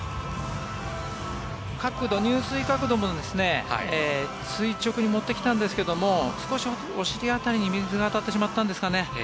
入水角度も垂直に持ってきたんですが少しお尻辺りに水が当たってしまったんですかね